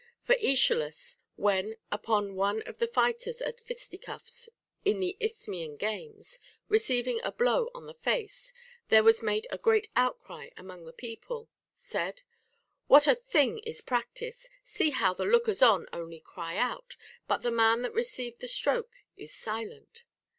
For Aeschylus, when, upon one of the fighters at fisticuffs in the Isthmian games receiving a blow on the face, there was made a great outcry among the people, said :" What a thing is practice ! See how the lookers on only cry out, but the man that received the stroke is silent."